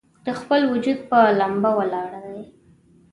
د خپل وجود پۀ ، لمبه ولاړ دی